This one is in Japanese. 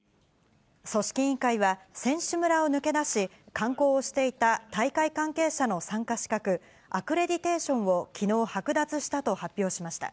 組織委員会は、選手村を抜け出し、観光をしていた大会関係者の参加資格、アクレディテーションをきのう、剥奪したと発表しました。